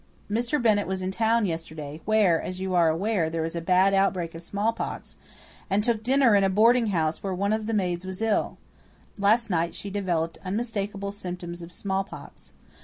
Mr. Bennett was in town yesterday where, as you are aware, there is a bad outbreak of smallpox and took dinner in a boarding house where one of the maids was ill. Last night she developed unmistakable symptoms of smallpox.